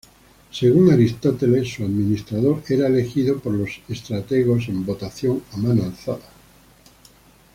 Según Aristóteles su administrador era elegido por los estrategos en votación a mano alzada.